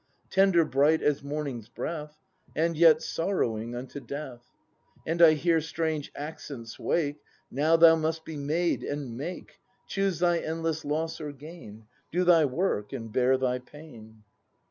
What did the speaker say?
Tender bright as morning's breath. And yet sorrowing unto death: And I hear strange accents wake: "Now thou must be made, and make; Choose thy endless loss or gain! — Do thy work and bear thy pain!"